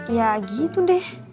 ya gitu deh